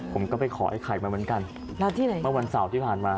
ผมก็ไปขอไอ้ไข่มาเหมือนกันแล้วที่ไหนเมื่อวันเสาร์ที่ผ่านมา